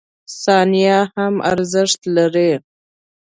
• ثانیه هم ارزښت لري.